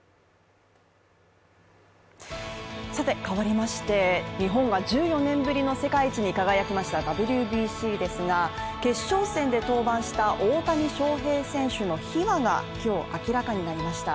さて、変わりまして日本が１４年ぶりの世界一に輝きましたＷＢＣですが決勝戦で登板した大谷翔平選手の秘話が今日、明らかになりました。